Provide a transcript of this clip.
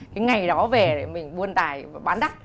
cái ngày đó về để mình buôn tài và bán đắt